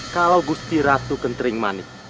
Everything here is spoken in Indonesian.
kalau gusti ratu kentering mani